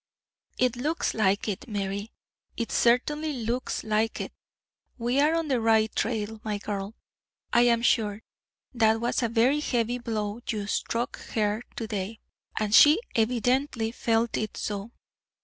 "It looks like it, Mary; it certainly looks like it. We are on the right trail, my girl, I am sure. That was a very heavy blow you struck her to day, and she evidently felt it so.